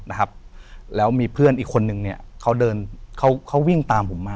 นะครับแล้วมีเพื่อนอีกคนนึงเนี่ยเขาเดินเขาเขาวิ่งตามผมมา